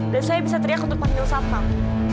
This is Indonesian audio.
dan saya bisa teriak untuk panggil sampang